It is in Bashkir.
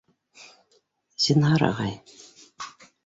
— Зинһар, ағай.